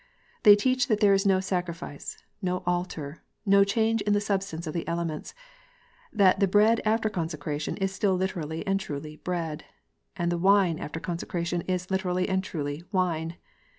They teach that there is no sacrifice, no altar, no change in the substance of the elements : that the bread after consecration is still literally and truly bread, and the wine after consecration is literally and truly wine.